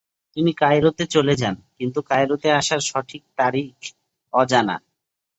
তিনি কায়রোতে চলে যান, কিন্তু কায়রোতে আসার সঠিক তারিখ অজানা।